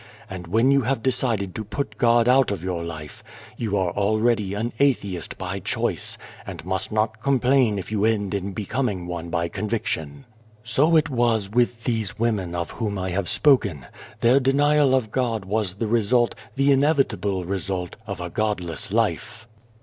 And when you have decided to put God out of your life, you are already an atheist by choice, and must not complain if you end in becoming one by conviction. 261 A World "So it was with these women of whom I have spoken. Their denial of God was the result, the inevitable result, of a godless life.